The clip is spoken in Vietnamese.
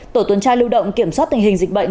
tổ tuần tra lưu động kiểm soát tình hình dịch bệnh